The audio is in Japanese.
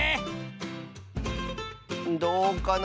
どうかな？